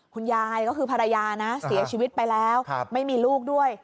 คุณยายก็คือภรรยานะเสียชีวิตไปแล้วไม่มีลูกด้วย